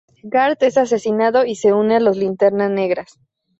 Garth es asesinado y se une a los Linternas Negras.